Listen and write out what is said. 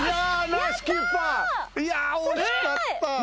いや惜しかった。